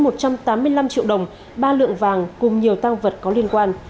triệu đồng ba lượng vàng cùng nhiều tăng vật có liên quan